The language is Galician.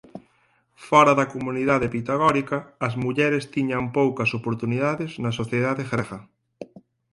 Fóra da comunidade pitagórica as mulleres tiñan poucas oportunidades na sociedade grega.